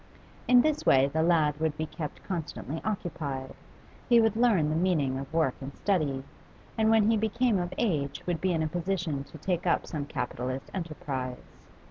In this way the lad would be kept constantly occupied, he would learn the meaning of work and study, and when he became of age would be in a position to take up some capitalist enterprise.